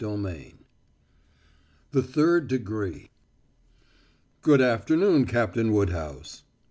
CHAPTER XV THE THIRD DEGREE "Good afternoon, Captain Woodhouse."